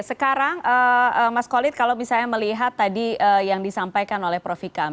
sekarang mas kolit kalau misalnya melihat tadi yang disampaikan oleh prof ikam